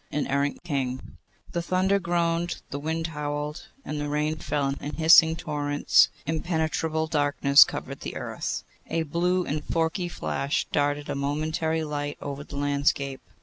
An Errant King THE thunder groaned, the wind howled, the rain fell in hissing torrents, impenetrable darkness covered the earth. A blue and forky flash darted a momentary light over the landscape.